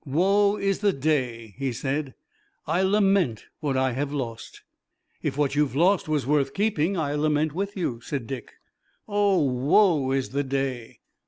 "Woe is the day!" he said. "I lament what I have lost!" "If what you have lost was worth keeping I lament with you," said Dick. "O, woe is the day!"